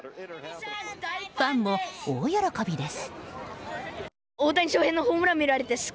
ファンも大喜びです。